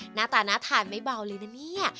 หน้าตาน่าทานไม่เบาเลยนะเนี่ย